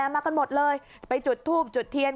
มากันหมดเลยไปจุดทูบจุดเทียน